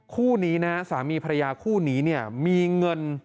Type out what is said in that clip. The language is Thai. คู่นี้นะสามีภรรยาคู่นี้เนี่ยมีเงิน